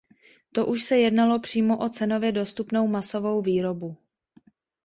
To už se jednalo přímo o cenově dostupnou masovou výrobu.